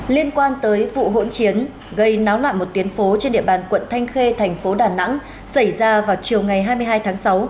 liên quan tới vụ hỗn chiến gây náo loạn một tuyến phố trên địa bàn quận thanh khê thành phố đà nẵng xảy ra vào chiều ngày hai mươi hai tháng sáu